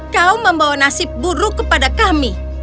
kau membawa nasib buruk kepada kami